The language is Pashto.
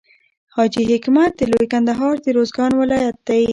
حاجي حکمت د لوی کندهار د روزګان ولایت دی.